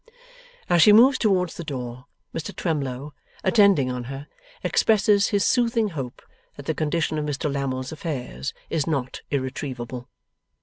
As she moves towards the door, Mr Twemlow, attending on her, expresses his soothing hope that the condition of Mr Lammle's affairs is not irretrievable.